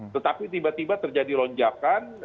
tetapi tiba tiba terjadi lonjakan